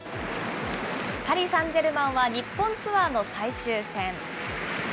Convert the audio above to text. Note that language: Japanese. パリサンジェルマンは日本ツアーの最終戦。